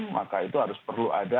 maka itu harus perlu ada